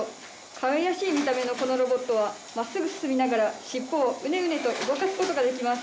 かわいらしい見た目のこのロボットはまっすぐ進みながら尻尾をうねうねと動かすことができます。